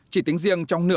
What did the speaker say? chỉ tính riêng trong những